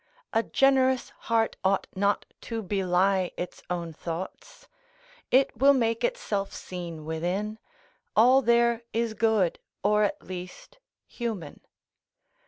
A generous heart ought not to belie its own thoughts; it will make itself seen within; all there is good, or at least human.